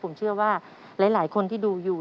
ผมเชื่อว่าหลายคนที่ดูอยู่